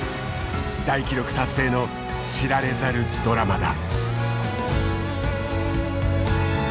大記録達成の知られざるドラマだ。